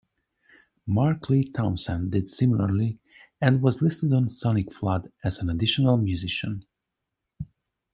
Mark Lee Townsend did similarly, and was listed on "Sonicflood" as an additional musician.